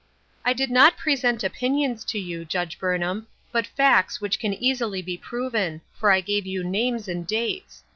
" I did not present opinions to you, Judge Burnham, but facts which can easily be proven ; for I gave you names and dates.